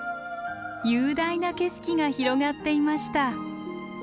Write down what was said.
雄大な景色が広がっていました。